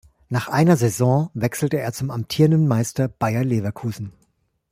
Nach einer Saison wechselte er zum amtierenden Meister Bayer Leverkusen.